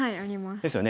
ですよね。